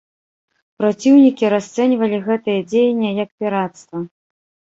Праціўнікі расцэньвалі гэтыя дзеянні як пірацтва.